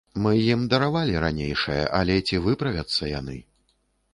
Мы ім даравалі ранейшае, але ці выправяцца яны?